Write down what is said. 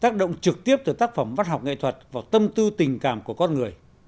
tác động trực tiếp từ tác phẩm văn học nghệ thuật vào tâm tư tình cảm của con người